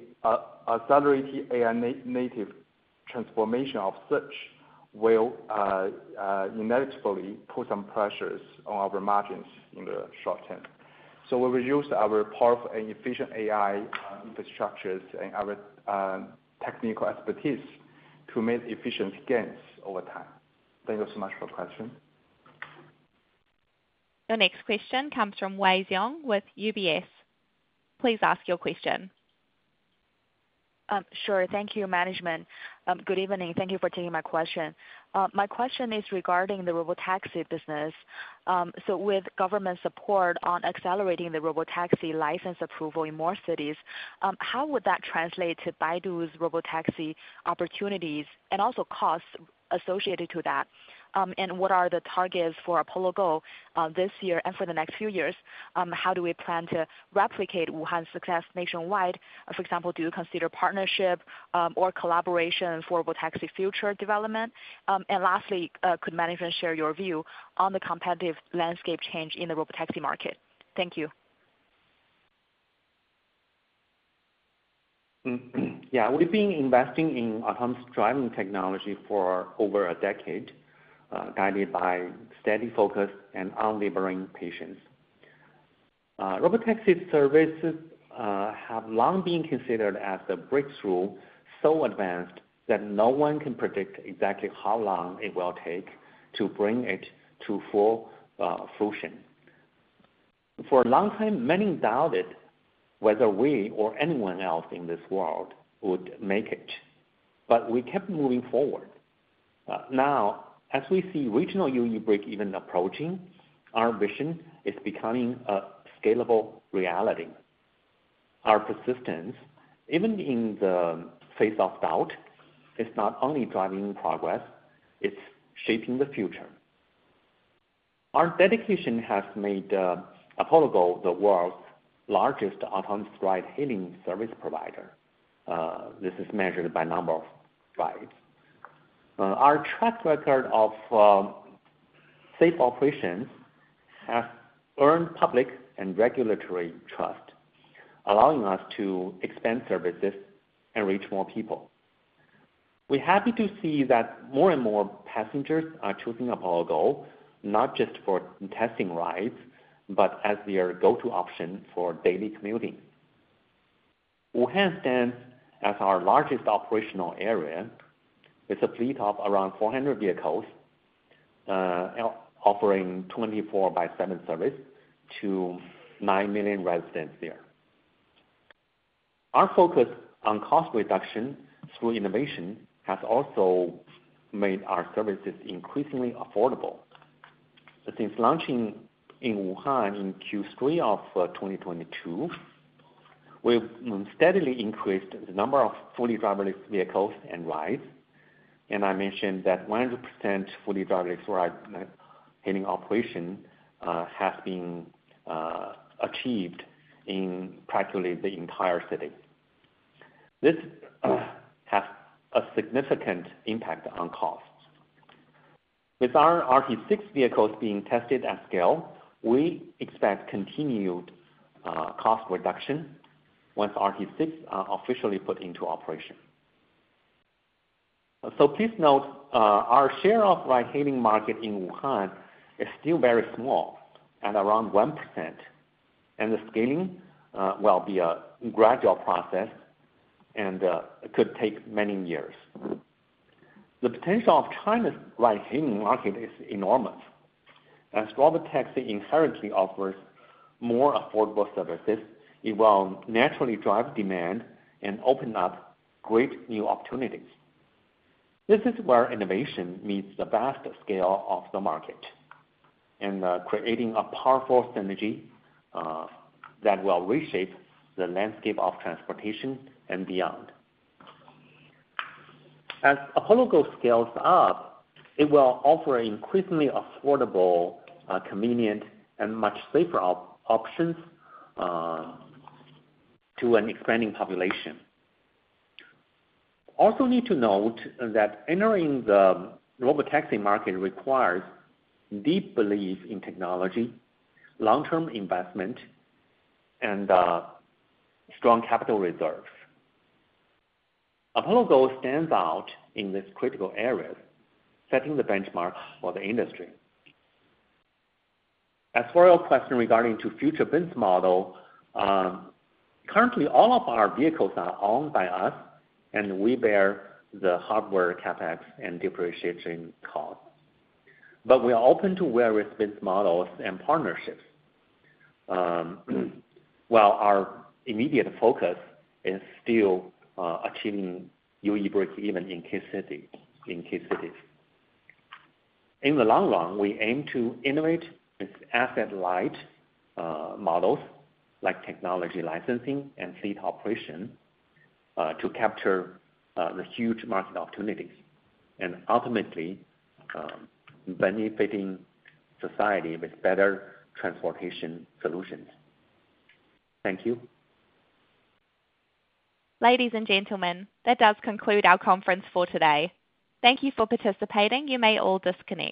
accelerated AI native transformation of search will inevitably put some pressures on our margins in the short term. We will use our powerful and efficient AI infrastructures and our technical expertise to make efficiency gains over time. Thank you so much for your question. Your next question comes from Wei Xiong with UBS. Please ask your question. Sure. Thank you, management. Good evening. Thank you for taking my question. My question is regarding the Robotaxi business, so with government support on accelerating the Robotaxi license approval in more cities, how would that translate to Baidu's Robotaxi opportunities, and also costs associated to that, and what are the targets for Apollo Go, this year and for the next few years? How do we plan to replicate Wuhan's success nationwide? For example, do you consider partnership, or collaboration for Robotaxi future development, and lastly, could management share your view on the competitive landscape change in the Robotaxi market? Thank you. Yeah, we've been investing in autonomous driving technology for over a decade, guided by steady focus and unwavering patience. Robotaxi services have long been considered as the breakthrough so advanced that no one can predict exactly how long it will take to bring it to full fruition. For a long time, many doubted whether we or anyone else in this world would make it, but we kept moving forward. Now, as we see regional unit break-even approaching, our vision is becoming a scalable reality. Our persistence, even in the face of doubt, is not only driving progress, it's shaping the future. Our dedication has made Apollo Go the world's largest autonomous ride-hailing service provider. This is measured by number of rides. Our track record of safe operations have earned public and regulatory trust, allowing us to expand services and reach more people. We're happy to see that more and more passengers are choosing Apollo Go, not just for testing rides, but as their go-to option for daily commuting. Wuhan stands as our largest operational area, with a fleet of around 400 vehicles offering 24/7 service to 9 million residents there. Our focus on cost reduction through innovation has also made our services increasingly affordable. Since launching in Wuhan in Q3 of 2022, we've steadily increased the number of fully driverless vehicles and rides, and I mentioned that 100% fully driverless ride hailing operation has been achieved in practically the entire city. This has a significant impact on costs. With our RT6 vehicles being tested at scale, we expect continued cost reduction once RT6 are officially put into operation. So please note our share of ride-hailing market in Wuhan is still very small, at around 1%, and the scaling will be a gradual process and it could take many years. The potential of China's ride-hailing market is enormous. As robotaxi inherently offers more affordable services, it will naturally drive demand and open up great new opportunities. This is where innovation meets the vast scale of the market, and creating a powerful synergy that will reshape the landscape of transportation and beyond. As Apollo Go scales up, it will offer increasingly affordable convenient, and much safer options to an expanding population. Also need to note that entering the robotaxi market requires deep belief in technology, long-term investment, and strong capital reserves. Apollo Go stands out in this critical areas, setting the benchmark for the industry. As for your question regarding to future business model, currently, all of our vehicles are owned by us, and we bear the hardware CapEx and depreciation costs. But we are open to various business models and partnerships, while our immediate focus is still achieving unit breakeven in key cities. In the long run, we aim to innovate with asset-light models like technology licensing and fleet operation to capture the huge market opportunities and ultimately benefiting society with better transportation solutions. Thank you. Ladies and gentlemen, that does conclude our conference for today. Thank you for participating. You may all disconnect.